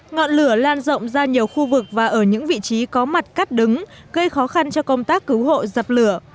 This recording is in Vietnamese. ngọn lửa lan rộng ra nhiều khu vực và ở những vị trí có mặt cắt đứng gây khó khăn cho công tác cứu hộ dập lửa